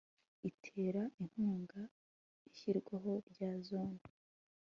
itera inkunga ishyirwaho rya zone